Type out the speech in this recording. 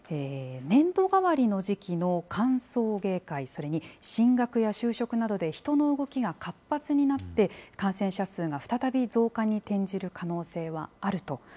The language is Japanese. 年度替わりの時期の歓送迎会、それに進学や就職などで人の動きが活発になって、感染者数が再び増加に転じる可能性はあると。